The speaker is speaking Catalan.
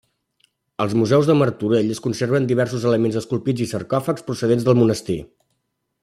Als museus de Martorell es conserven diversos elements esculpits i sarcòfags procedents del monestir.